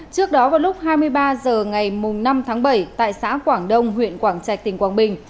trước đó vào lúc hai mươi ba h ngày năm tháng bảy tại xã quảng đông huyện quảng trạch tỉnh quảng bình